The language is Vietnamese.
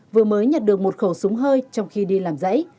vừa mới nhật được một khẩu súng hơi trong khi đi làm giấy